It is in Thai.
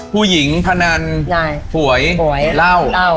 ผู้หญิงพนันหวยเหล้า